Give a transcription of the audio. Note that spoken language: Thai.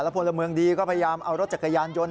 พลเมืองดีก็พยายามเอารถจักรยานยนต์